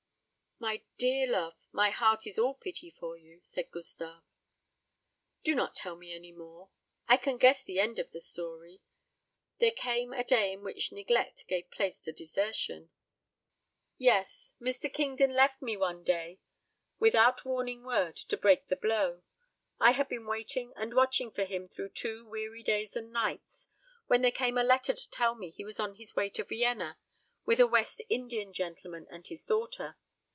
"My dear love, my heart is all pity for you," said Gustave. "Do not tell me any more. I can guess the end of the story. There came a day in which neglect gave place to desertion." "Yes; Mr. Kingdon left me one day without a warning word to break the blow. I had been waiting and watching for him through two weary days and nights, when there came a letter to tell me he was on his way to Vienna with a West Indian gentleman and his daughter.